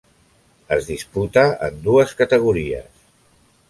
Es disputa en dues categories: